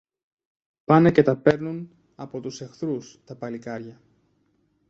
πάνε και τα παίρνουν από τους εχθρούς τα παλικάρια